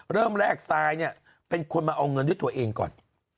เริ่มแรกซายเนี่ยเป็นคนมาเอาเงินด้วยตัวเองก่อน